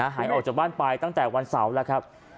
หายออกจากบ้านไปตั้งแต่วันเสาร์แล้วครับ